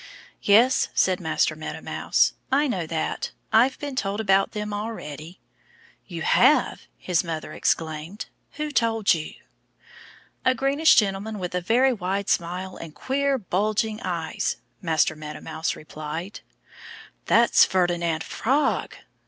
"Yes!" said Master Meadow Mouse. "I know that. I've been told about them already." "You have!" his mother exclaimed. "Who told you?" "A greenish gentleman with a very wide smile and queer, bulging eyes," Master Meadow Mouse replied. "That's Ferdinand Frog!"